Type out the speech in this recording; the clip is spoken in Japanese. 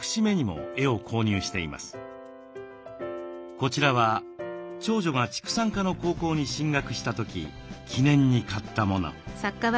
こちらは長女が畜産科の高校に進学した時記念に買ったもの。